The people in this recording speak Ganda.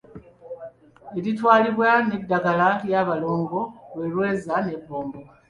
Eritwalibwa ng’eddagala ly’abalongo lwe lweza n’ebbombo.